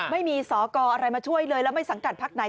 ไม่มีสอกรอะไรมาช่วยเลยแล้วไม่สังกัดพักไหน